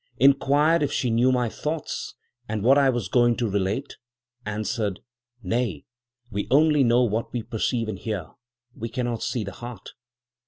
Inquired if she knew my thoughts, and what I was going to relate? Answered, 'Nay, we only know what we perceive and hear; we cannot see the heart.'